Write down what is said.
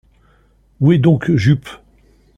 Où est donc Jup?